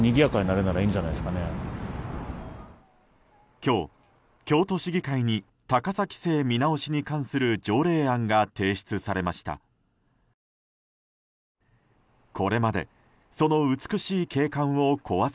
今日、京都市議会に高さ規制見直しに関する条例案が提出されました。